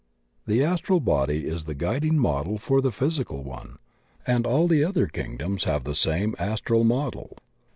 The astral body is the guiding model for the physical one, and all the other kingdoms have the same astral model.